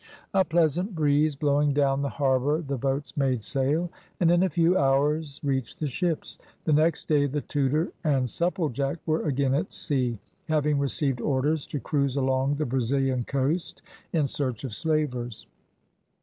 A pleasant breeze blowing down the harbour the boats made sail, and in a few hours reached the ships. The next day the Tudor and Supplejack were again at sea, having received orders to cruise along the Brazilian coast in search of slavers.